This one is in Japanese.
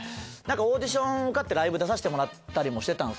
オーディション受かってライブ出させてもらったりした。